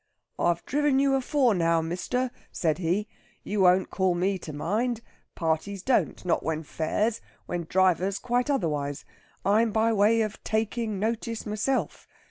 'I've driven you afore now, mister,' said he. 'You won't call me to mind. Parties don't, not when fares; when drivers, quite otherwise. I'm by way of taking notice myself.